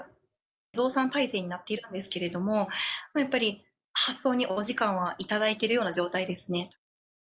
増産体制になっているんですけれども、やっぱり発送にお時間は頂いているような状態ですね。